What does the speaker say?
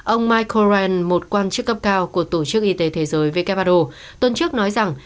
ông mike horan một quan chức cấp cao của tổ chức y tế thế giới vkpado tuần trước nói rằng